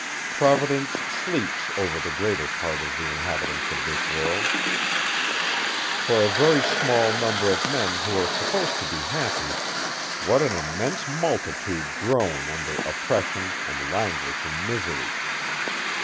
Providence sleeps over the greater part of the inhabitants of this world. For a very small number of men who are supposed to be happy, what an immense multitude groan under oppression, and languish in misery!